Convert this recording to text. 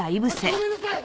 ごめんなさい！